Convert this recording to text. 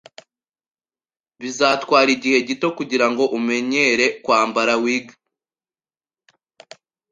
Bizatwara igihe gito kugirango umenyere kwambara wig.